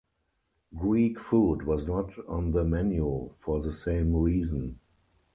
Greek food was not on the menu for the same reason.